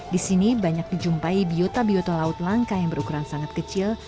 di sini banyak dijumpai biota biota laut langka yang berukuran sangat kecil